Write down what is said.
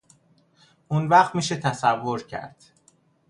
اونوقت میشه تصور کرد